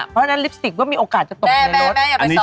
เพราะฉะนั้นลิปสติกก็มีโอกาสจะตก